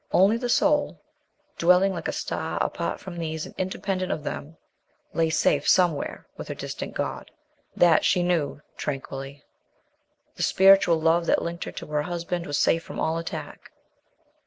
Only the soul, dwelling like a star apart from these and independent of them, lay safe somewhere with her distant God. That she knew tranquilly. The spiritual love that linked her to her husband was safe from all attack.